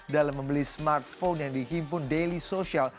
dalam membeli smartphone yang dihimpun daily sosial